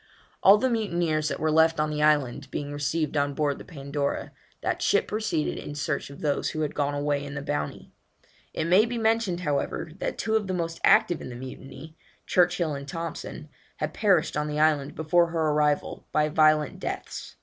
All the mutineers that were left on the island being received on board the Pandora, that ship proceeded in search of those who had gone away in the Bounty. It may be mentioned, however, that two of the most active in the mutiny, Churchill and Thompson, had perished on the island before her arrival, by violent deaths.